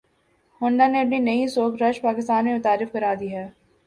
Honda نے اپنی نئی سوک رش پاکستان میں متعارف کرا دی ہے